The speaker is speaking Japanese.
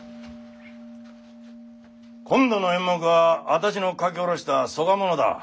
今度の演目は私の書き下ろした曽我物だ。